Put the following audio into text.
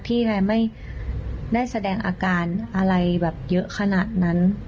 ยังไงไม่ได้แสดงอาการอะไรแบบเยอะขนาดนั้น